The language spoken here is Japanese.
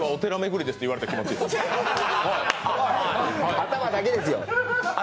頭だけですよ。